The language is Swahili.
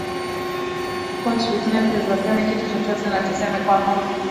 ja coach witnesses waseme kitu chochote na tumesema kwamba